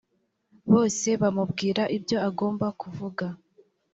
bose bamubwira ibyo agomba kuvuga.